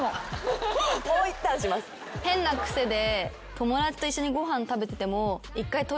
変な癖で。